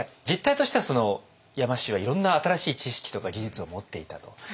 実態としては山師はいろんな新しい知識とか技術を持っていたと。